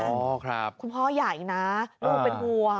คุณพ่อใหญ่นะบวมเป็นบวง